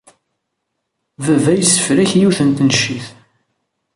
Baba yessefrak yiwet n tneččit.